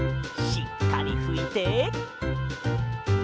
しっかりふいて。